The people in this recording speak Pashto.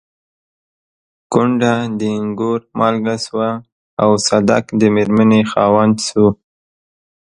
کونډه د اينګور مالکه شوه او صدک د مېرمنې خاوند شو.